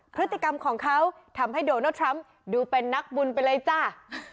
พฤติกรรมของเขาทำให้โดนัลดทรัมป์ดูเป็นนักบุญไปเลยจ้า